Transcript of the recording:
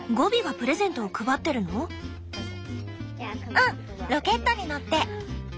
うんロケットに乗って。